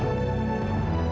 gobi aku mau ke rumah